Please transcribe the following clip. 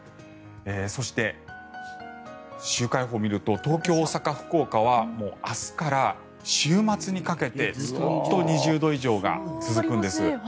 そして、週間予報を見ると東京、大阪、福岡は明日から週末にかけてずっと２０度以上が続くんです。